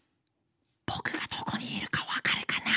僕がどこにいるか分かるかな？